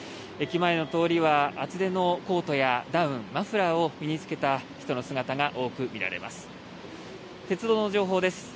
駅前の通りは厚手のコートやダウン、マフラーを身に着けた人の姿が多く見られます。